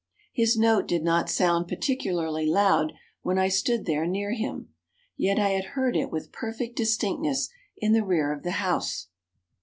His note did not sound particularly loud when I stood there near him. Yet I had heard it with perfect distinctness in the rear of the house.